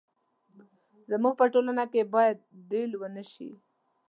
زموږ په ټولنه کې باید ډيل ونه شي.